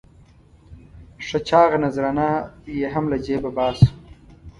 ښه چاغه نذرانه یې هم له جېبه باسو.